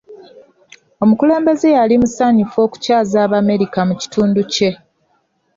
Omukulembeze yali musanyufu okukyaza Abamerica mu kitundu kye.